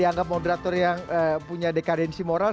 dianggap moderator yang punya dekadensi moral